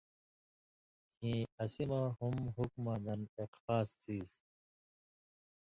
کھیں اسی مہ ہُم حُکماں دَن ایک خاص څیز